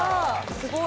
すごい。